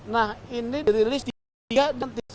nah ini dirilis di tiga dan tiga